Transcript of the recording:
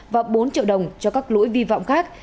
và bốn triệu đồng cho các lỗi vi phạm khác